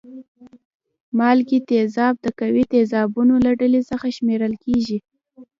مالګې تیزاب د قوي تیزابونو له ډلې څخه شمیرل کیږي.